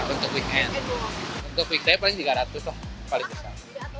untuk weekend paling rp tiga ratus lah paling besar